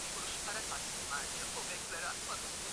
atika kushiriki katika kura ya maamuzi ya sudan kusini